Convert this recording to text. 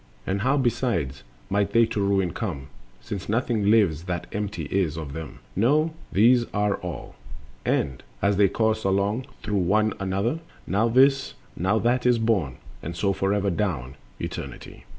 And how, besides, might they to ruin come, Since nothing lives that empty is of them?— No, these are all, and, as they course along Through one another, now this, now that is born— And so forever down Eternity.